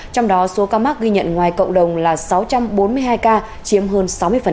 trong đó số ca mắc ghi nhận ngoài cộng đồng là sáu trăm bốn mươi hai ca chiếm hơn sáu mươi